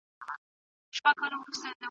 موږ د پرمختګ لپاره ملي هوډ ته اړتیا لرو.